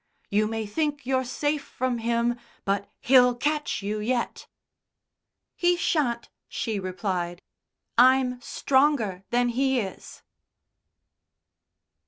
"You may think you're safe from Him, but He'll catch you yet." "He shan't," she replied. "I'm stronger than He is."